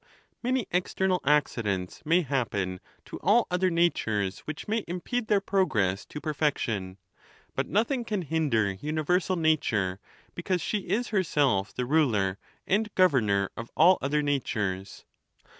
Many external accidents may happen to all other natures which may impede their progress to perfection, but noth ing can hinder universal nature, because she is herself the ruler and governor of all other natures.